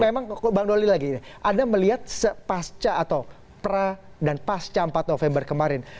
memang bang doli lagi anda melihat sepasca atau pra dan pasca empat november kemarin